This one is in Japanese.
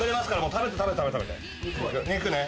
肉ね。